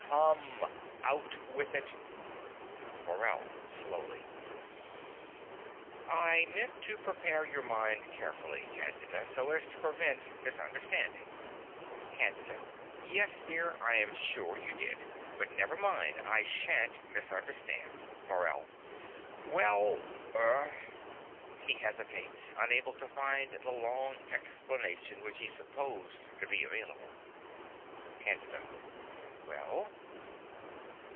Come. Out with it! MORELL (slowly). I meant to prepare your mind carefully, Candida, so as to prevent misunderstanding. CANDIDA. Yes, dear: I am sure you did. But never mind: I shan't misunderstand. MORELL. Well er (He hesitates, unable to find the long explanation which he supposed to be available.) CANDIDA. Well?